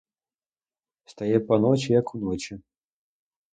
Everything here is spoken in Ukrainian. Стає поночі, як уночі.